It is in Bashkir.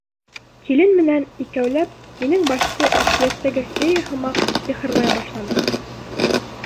Килен менән икәүләп минең башты әкиәттәге Фея һымаҡ сихырлай башланылар.